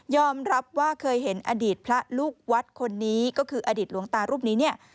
รับว่าเคยเห็นอดีตพระลูกวัดคนนี้ก็คืออดีตหลวงตารูปนี้เนี่ย